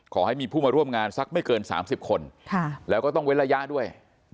ขอให้มีผู้มาร่วมงานสักไม่เกิน๓๐คนแล้วก็ต้องเว้นระยะด้วย